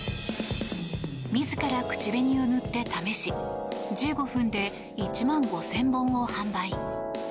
自ら口紅を塗って試し１５分で１万５０００本を販売。